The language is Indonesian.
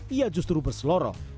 ia justru berselorong